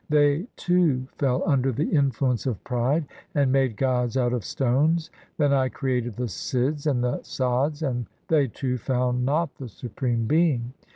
They too fell under the influence of pride, And made gods out of stones. Then I created the Sidhs and the Sadhs, But they too found not the Supreme Being.